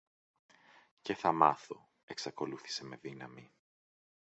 Και θα μάθω, εξακολούθησε με δύναμη.